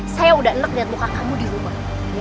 saya udah enek liat muka kamu di rumah